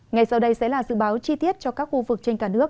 ngay sau đây sẽ là dự báo chi tiết cho các khu vực trên cả nước